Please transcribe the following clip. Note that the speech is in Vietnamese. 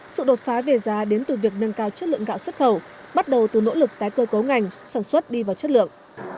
sự đột phá về giá đến từ việc nâng cao chất lượng gạo xuất khẩu bắt đầu từ nỗ lực tái cơ cấu ngành sản xuất đi vào chất lượng